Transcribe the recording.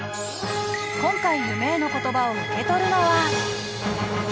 今回夢への言葉を受け取るのは。